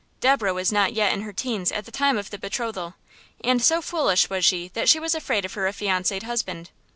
Deborah was not yet in her teens at the time of the betrothal, and so foolish was she that she was afraid of her affianced husband.